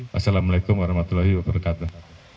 wassalamu alaikum warahmatullahi wabarakatuh